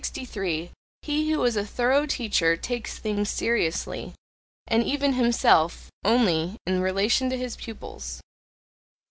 He who is a thorough teacher takes things seriously and even himself only in relation to his pupils.